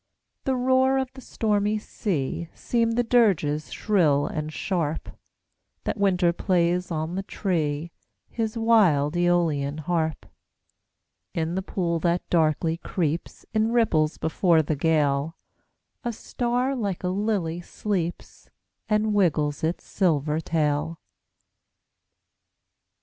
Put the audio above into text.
The roar of the stormy sea Seem the dirges shrill and sharp That winter plays on the tree His wild Æolian harp. In the pool that darkly creeps In ripples before the gale, A star like a lily sleeps And wiggles its silver tail.